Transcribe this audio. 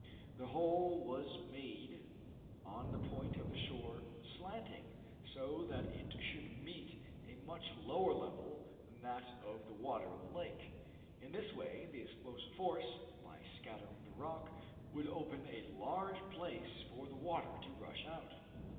The hole was made on the point of the shore, slanting, so that it should meet a much lower level than that of the water of the lake. In this way the explosive force, by scattering the rock, would open a large place for the water to rush out.